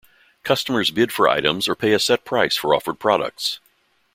Customers bid for items or pay a set price for offered products.